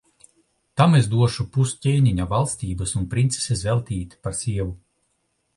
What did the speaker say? Tam es došu pus ķēniņa valstības un princesi Zeltīti par sievu.